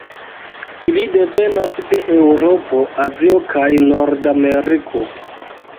Ili devenas de Eŭropo, Azio, kaj Nordameriko.